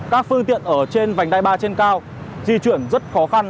các phương tiện ở trên vành đai ba trên cao di chuyển rất khó khăn